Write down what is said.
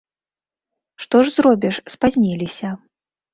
Што ж зробіш, спазніліся.